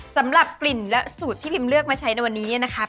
สำหรับกลิ่นและสูตรที่พิมเลือกมาใช้ในวันนี้เนี่ยนะคะ